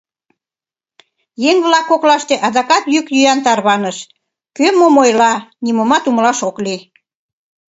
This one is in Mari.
Еҥ-влак коклаште адакат йӱк-йӱан тарваныш, кӧ мом ойла — нимомат умылаш ок лий.